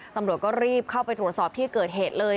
ตำรวจก็รีบเข้าไปตรวจสอบที่เกิดเหตุเลย